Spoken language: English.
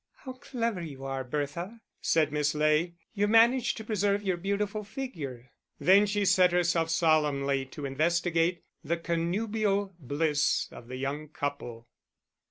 "How clever you are, Bertha," said Miss Ley; "you manage to preserve your beautiful figure." Then she set herself solemnly to investigate the connubial bliss of the young couple.